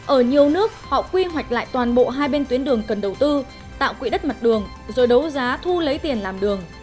ở nhiều nước họ quy hoạch lại toàn bộ hai bên tuyến đường cần đầu tư tạo quỹ đất mặt đường rồi đấu giá thu lấy tiền làm đường